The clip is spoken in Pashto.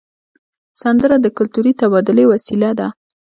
سندره د کلتوري تبادلې وسیله ده